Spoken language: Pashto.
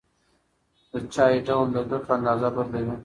د چای ډول د ګټو اندازه بدلوي.